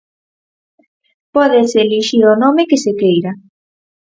Pódese elixir o nome que se queira.